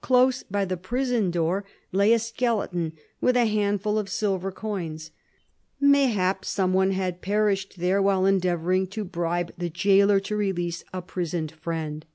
Close by the prison door lay a skeleton with a handful of silver coins. Mayhap some one had perished there while endeavoring to bribe the jailor to release a prisoned friend.